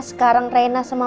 sekarang reina sama mak